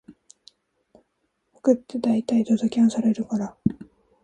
僕ってだいたいドタキャンされるから